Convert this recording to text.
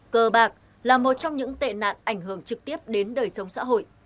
cờ bạc là một trong những tệ nạn ảnh hưởng trực tiếp đến đời sống xã hội